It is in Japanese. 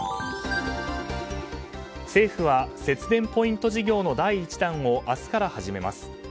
政府は節電ポイント事業の第１弾を明日から始めます。